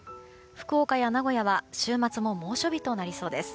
福岡や名古屋は週末も猛暑日となりそうです。